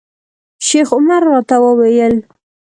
شیخ عمر راته وویل.